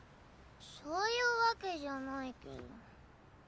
そういうわけじゃないけど。